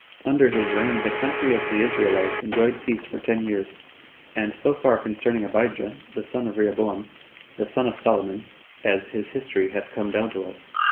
Under his reign the country of the Israelites enjoyed peace for ten years. 4. And so far concerning Abijah, the son of Rehoboam, the son of Solomon, as his history hath come down to us.